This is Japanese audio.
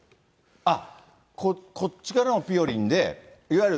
あっ、こっちからのぴよりんで、いわゆる。